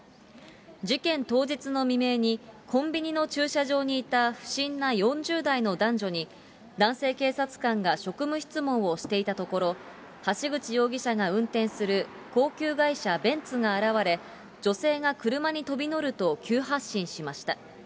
事件当日の未明に、コンビニの駐車場にいた不審な４０代の男女に、男性警察官が職務質問をしていたところ、橋口容疑者が運転する高級外車、ベンツが現れ、女性が車に飛び乗ると急発進しました。